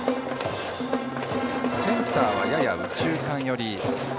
センターはやや右中間寄り。